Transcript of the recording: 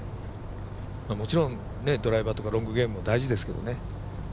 もちろんドライバーとかロングゲームも大事ですけどね。